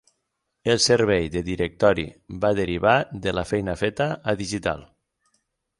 El servei de directori va derivar de la feina feta a Digital.